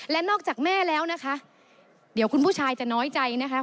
และนอกจากแม่แล้วนะคะเดี๋ยวคุณผู้ชายจะน้อยใจนะคะ